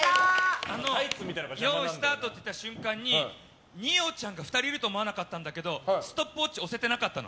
よーいスタートって言った瞬間に二葉ちゃんが２人いると思わなかったんだけどストップウォッチ押せてなかったの。